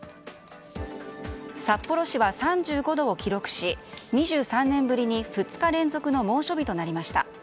札幌市は３５度を記録し２３年ぶりに２日連続の猛暑日となりました。